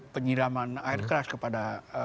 penyiraman air keras kepada